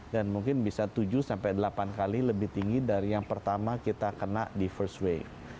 dan mungkin bisa tujuh sampai delapan kali lebih tinggi dari yang pertama kita kena di first wave